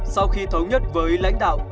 sau khi thống nhất với lãnh đạo